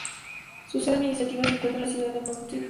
Su sede administrativa se encuentra en la ciudad de Motherwell.